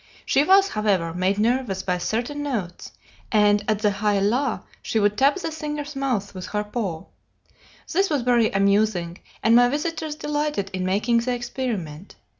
She was, however, made nervous by certain notes, and at the high la she would tap the singer's mouth with her paw. This was very amusing, and my visitors delighted in making the experiment.